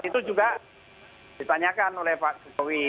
itu juga ditanyakan oleh pak jokowi